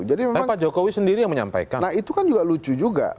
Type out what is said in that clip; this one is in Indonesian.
pak jokowi sendiri yang menyampaikan nah itu kan juga lucu juga